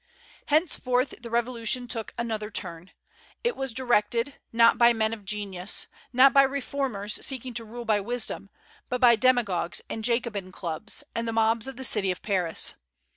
Henceforth, the Revolution took another turn. It was directed, not by men of genius, not by reformers seeking to rule by wisdom, but by demagogues and Jacobin clubs, and the mobs of the city of Paris.